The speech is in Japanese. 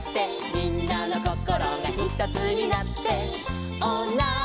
「みんなのこころがひとつになって」